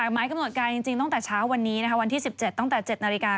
หมายกำหนดการจริงตั้งแต่เช้าวันนี้นะคะวันที่๑๗ตั้งแต่๗นาฬิกา